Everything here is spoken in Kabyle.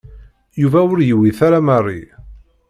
Yuba ur yewwit ara Mary.